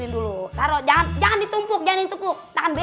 dulu jangan jangan ditumpuk tumpuk